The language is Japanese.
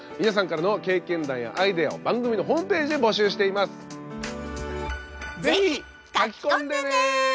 皆さんからの経験談やアイデアを番組のホームページで募集しています。